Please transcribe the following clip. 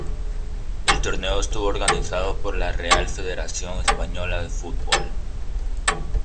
El torneo estuvo organizado por la Real Federación Española de Fútbol.